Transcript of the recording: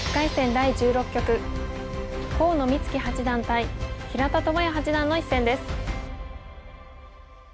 第１６局河野光樹八段対平田智也八段の一戦です。